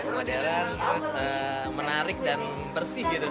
modern terus menarik dan bersih gitu